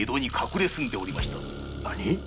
何！